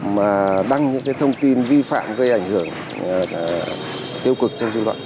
mà đăng những cái thông tin vi phạm gây ảnh hưởng tiêu cực trong dân luận